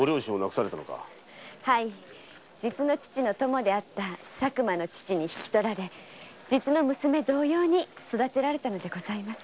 それで父の友であった佐久間の父に引き取られ実の娘同様に育てられたのです。